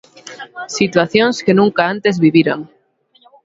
Situacións que nunca antes viviran.